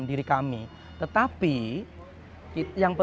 dari setiap kisah utama